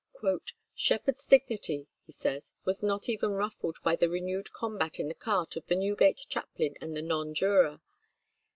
"Sheppard's dignity," he says, "was not even ruffled by the renewed combat in the cart of the Newgate chaplain and the nonjuror.